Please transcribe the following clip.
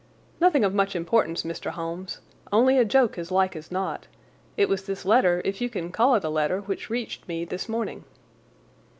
"Nothing of much importance, Mr. Holmes. Only a joke, as like as not. It was this letter, if you can call it a letter, which reached me this morning."